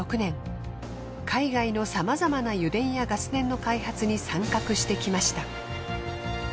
海外のさまざまな油田やガス田の開発に参画してきました。